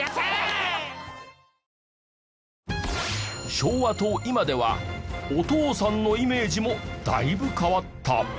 昭和と今ではお父さんのイメージもだいぶ変わった。